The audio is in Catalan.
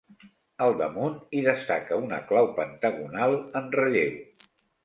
Al damunt hi destaca una clau pentagonal en relleu.